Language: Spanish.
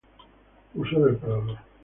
Museo del Prado